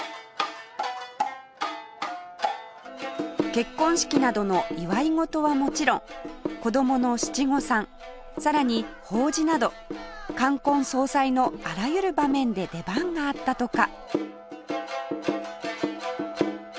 結婚式などの祝い事はもちろん子供の七五三さらに法事など冠婚葬祭のあらゆる場面で出番があったとか